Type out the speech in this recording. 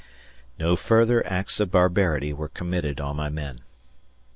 No further "acts of barbarity" were committed on my men.